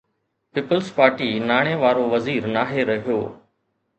Peoples party ناڻي وارو وزير ناهي رهيو؟